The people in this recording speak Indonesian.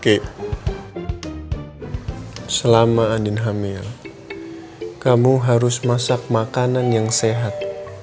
oke selama andin hamil kamu harus masak makanan yang sehat